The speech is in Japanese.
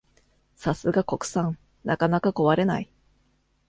さすが国産、なかなか壊れない